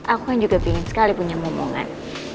aku kan juga pingin sekali punya omongan